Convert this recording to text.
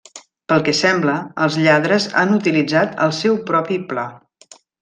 Pel que sembla, els lladres han utilitzat el seu propi pla.